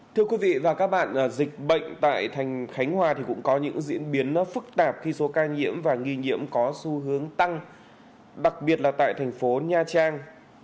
thưa quý vị và các bạn dịch bệnh tại khánh hòa cũng có những diễn biến phức tạp khi số ca nhiễm và nghi nhiễm có xu hướng tăng đặc biệt là tại thành phố nha trang